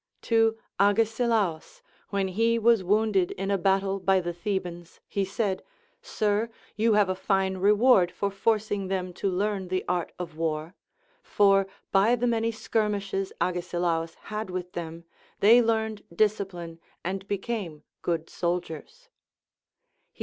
To Agesilaus, when he was wounded in a battle by the The bans, he said. Sir, you have a fine reward for forcing them to learn the art of war ; for, by the many skirmishes Ages ilaus had with them, they learned discipline and became good soldiers.